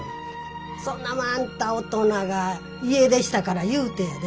そんなもんあんた大人が家出したからいうてやで？